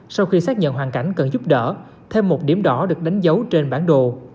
sau khi xác nhận hoàn cảnh cần giúp đỡ thêm một điểm đỏ được đánh dấu trên bản đồ